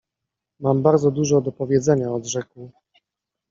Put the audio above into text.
— Mam bardzo dużo do powiedzenia! — odrzekł.